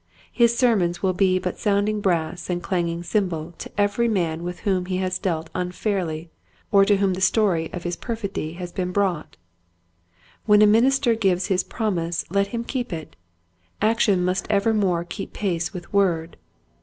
His sermons will be but sounding brass and clanging cymbal to every man with whom he has dealt un fairly or to whom the story of his perfidy has been brought. When a minister gives his promise let him keep it. Action must evermore keep pace with word.